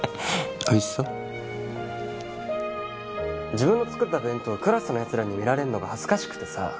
自分の作った弁当クラスのやつらに見られんのが恥ずかしくてさ。